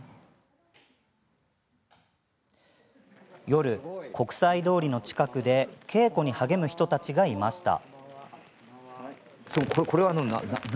夜、国際通りの近くで稽古に励む人たちがいました。